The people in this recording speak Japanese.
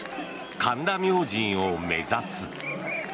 神田明神を目指す。